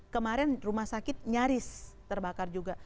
kemarin rumah sakit nyaris terbakar juga